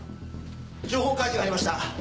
情報開示がありました。